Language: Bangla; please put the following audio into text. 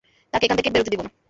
তাকে এখান থেকে বেরুতে দিবেনা।